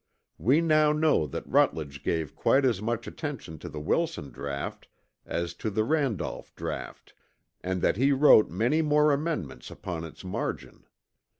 We now know that Rutledge gave quite as much attention to the Wilson draught as to the Randolph draught, and that he wrote many more amendments upon its margin.